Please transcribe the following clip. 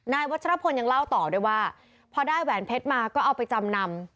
วัชรพลยังเล่าต่อด้วยว่าพอได้แหวนเพชรมาก็เอาไปจำนำ